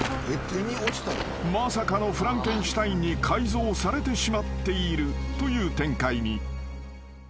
［まさかのフランケンシュタインに改造されてしまっているという展開に］